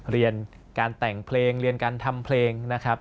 เรียนการแต่งเพลงเรียนการทำเพลงนะครับ